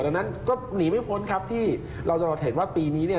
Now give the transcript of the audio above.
ดังนั้นก็หนีไม่พ้นครับที่เราจะเห็นว่าปีนี้เนี่ย